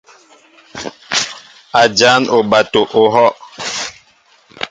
A jan oɓato ohɔʼ.